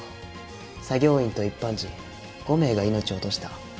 作業員と一般人５名が命を落とした。